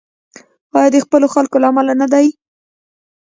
آیا د خپلو خلکو له امله نه دی؟